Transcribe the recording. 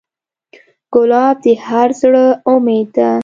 ګلاب د هر زړه امید ده.